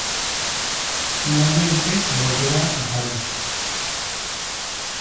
Finalmente volverá a París.